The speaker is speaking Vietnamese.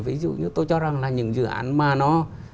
ví dụ như tôi cho rằng là những dự án mà nó